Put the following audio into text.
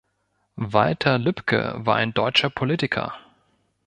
Walter Lübcke war ein deutscher Politiker.